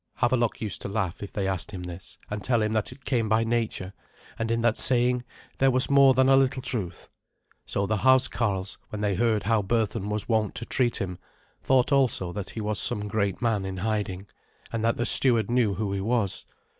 Havelok used to laugh if they asked him this, and tell them that it came by nature, and in that saying there was more than a little truth. So the housecarls, when they heard how Berthun was wont to treat him, thought also that he was some great man in hiding, and that the steward knew who he was.